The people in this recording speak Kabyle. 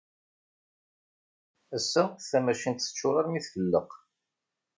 Ass-a, tamacint teččuṛ armi tfelleq.